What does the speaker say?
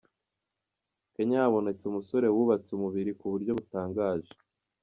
Kenya habonetse umusore wubatse umubiri ku buryo butangaje.